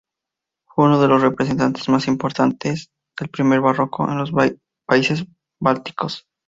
Fue uno de los representantes más importantes del primer barroco en los países bálticos.